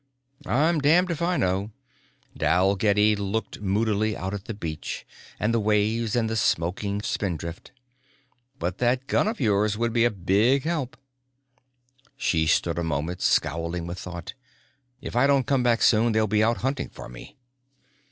"I'm damned if I know." Dalgetty locked moodily out at the beach and the waves and the smoking spindrift. "But that gun of yours would be a big help." She stood for a moment, scowling with thought. "If I don't come back soon they'll be out hunting for me."